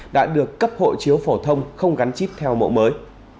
đã được cấp hộ chiếu phổ thông không gắn chip theo mẫu mới